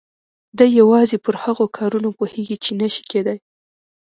دی يوازې پر هغو کارونو پوهېږي چې نه شي کېدای.